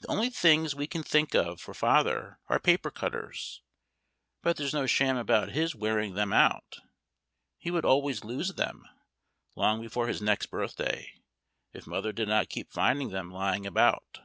The only things we can think of for Father are paper cutters; but there's no sham about his wearing them out; He would always lose them, long before his next birthday, if Mother did not keep finding them lying about.